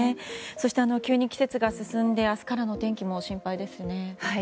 そして急に季節が進んで明日からの天気も心配ですね。